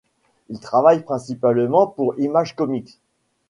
Il travaille principalement pour Image Comics.